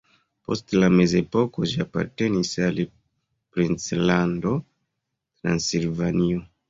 Post la mezepoko ĝi apartenis al princlando Transilvanio.